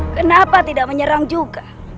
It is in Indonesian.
kenapa tidak menyerang juga